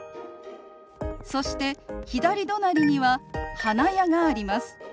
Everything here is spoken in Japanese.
そして左隣には花屋があります。